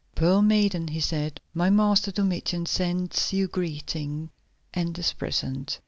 "Pearl Maiden," he said, "my master, Domitian, sends you greeting and this present.